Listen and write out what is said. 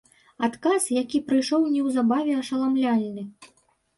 Адказ, які прыйшоў неўзабаве, ашаламляльны.